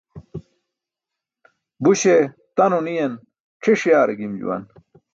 Buśe tano niyan ćʰiṣ yaare gim juwan.